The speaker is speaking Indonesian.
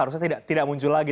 harusnya tidak muncul lagi